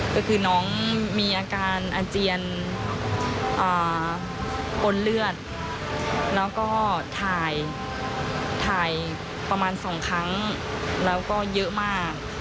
ก็คือน้องมีอาการอาเจียนปนเลือดแล้วก็ถ่ายประมาณ๒ครั้งแล้วก็เยอะมาก